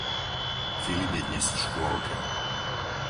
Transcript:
Filip je dnes v škôlke.